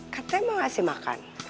katanya mau kasih makan